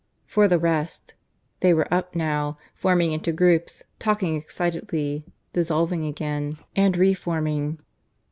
For the rest they were up now, forming into groups, talking excitedly, dissolving again, and re forming.